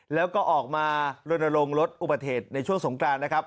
แล้วก็ออกมาลนรงรถอุปเทศในช่วงสงกรานต์นะครับ